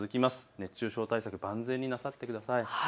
熱中症対策万全になさってください。